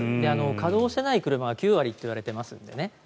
稼働していない車が９割といわれていますので。